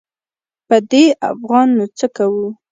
په دې افغان نو څه کوو.